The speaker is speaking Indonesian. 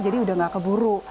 jadi udah gak keburu